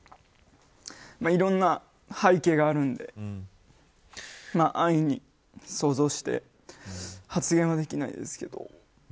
いろんな背景があるんで安易に想像して発言はできないですけど。